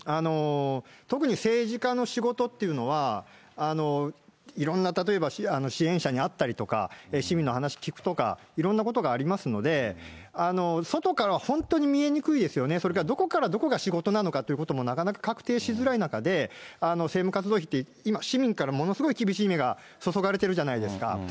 特に政治家の仕事っていうのは、いろんな例えば、支援者に会ったりとか、市民の話聞くとか、いろんなことがありますので、外から本当に見えにくいですよね、それから、どこからどこが仕事なのかということもなかなか確定しづらい中で、政務活動費って、今、市民から厳しい目が注がれてるじゃないですか。